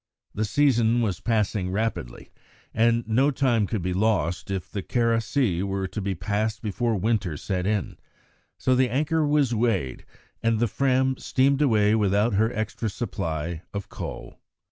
The season was passing rapidly, and no time could be lost if the Kara Sea were to be passed before winter set in, so the anchor was weighed and the Fram steamed away without her extra supply of coal.